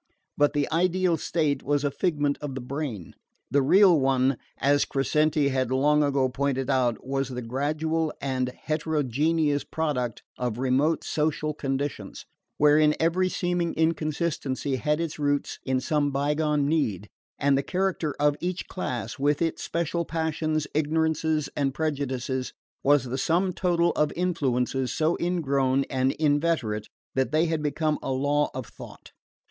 But the ideal state was a figment of the brain. The real one, as Crescenti had long ago pointed out, was the gradual and heterogeneous product of remote social conditions, wherein every seeming inconsistency had its roots in some bygone need, and the character of each class, with its special passions, ignorances and prejudices, was the sum total of influences so ingrown and inveterate that they had become a law of thought.